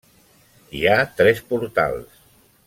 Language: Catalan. Hi ha tres portals.